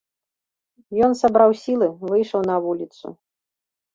Ён сабраў сілы, выйшаў на вуліцу.